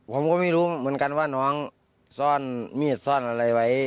ผมก็ไม่รู้เหมือนกันว่าน้องซ่อนมีดซ่อนอะไรไว้